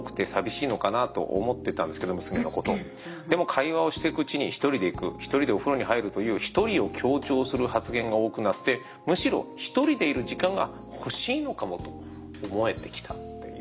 でも会話をしていくうちに１人で行く１人でお風呂に入るという１人を強調する発言が多くなってむしろ１人でいる時間が欲しいのかもと思えてきたっていうところで。